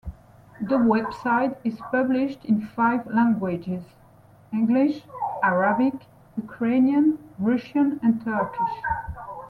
The website is published in five languages: English, Arabic, Ukrainian, Russian, and Turkish.